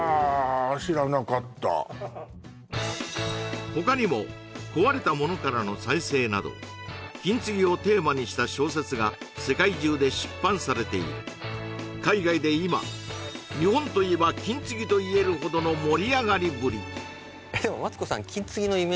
知らなかった他にも壊れたものからの再生など金継ぎをテーマにした小説が世界中で出版されている海外で今日本といえば金継ぎといえるほどの盛り上がりぶりマツコさん